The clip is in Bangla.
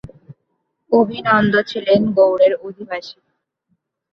অভিনন্দ ছিলেন গৌড়ের অধিবাসী।